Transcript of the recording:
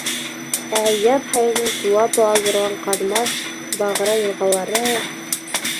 Ә яҙ һайын тулап ала торған Ҡаҙмаш, Бағры йылғалары...